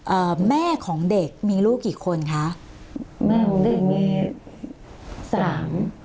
เอ่อแม่ของเด็กมีลูกกี่คนคะแม่ของเด็กมีสาม